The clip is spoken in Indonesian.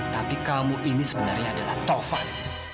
tapi kamu ini sebenarnya adalah taufan